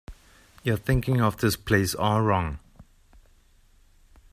You're thinking of this place all wrong.